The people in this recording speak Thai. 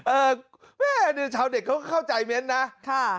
เออแม่ชาวเด็กเข้าใจเม้นต์นะ